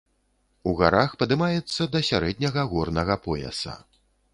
У гарах падымаецца да сярэдняга горнага пояса.